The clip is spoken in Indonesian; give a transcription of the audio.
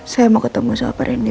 saya mau ketemu soal pak rendy